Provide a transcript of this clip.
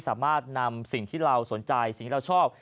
สามารถนำสิ่งที่เราสนใจชอบ